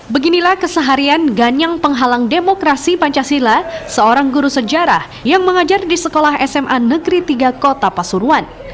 beginilah keseharian ganyang penghalang demokrasi pancasila seorang guru sejarah yang mengajar di sekolah sma negeri tiga kota pasuruan